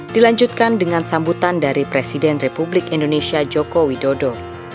dilanjutkan dengan sambutan dari presiden republik indonesia joko widodo